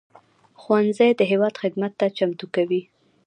ښوونځی د هېواد خدمت ته چمتو کوي